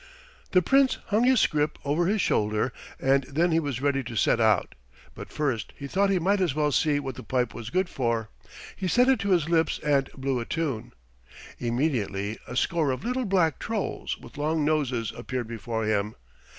The Prince hung his scrip over his shoulder, and then he was ready to set out, but first he thought he might as well see what the pipe was good for. He set it to his lips and blew a tune. Immediately a score of little black Trolls with long noses appeared before him.